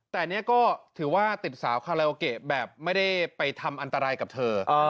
แต่นี่ก็ถือว่าติดสาวคาราโอเกะแบบไม่ได้ไปทำอันตรายกับเธอ